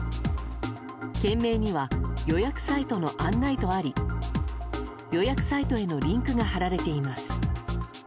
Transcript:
件名には予約サイトの案内とあり予約サイトへのリンクが貼られています。